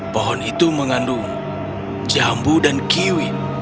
pohon itu mengandung jambu dan kiwi